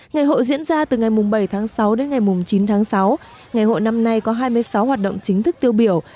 ngày hội diễn ra từ ngày bảy tháng sáu đến ngày chín tháng sáu ngày hội năm nay có hai mươi sáu hoạt động chính thức tiêu biểu